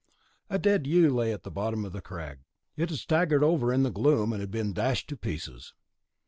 A dead ewe lay at the bottom of a crag; it had staggered over in the gloom, and had been dashed to pieces.